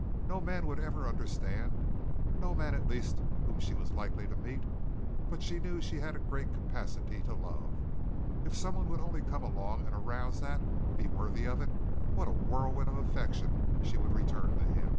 No man would ever understand, no man at least whom she was likely to meet; but she knew she had a great capacity to love. If someone would only come along and arouse that be worthy of it what a whirlwind of affection she would return to him!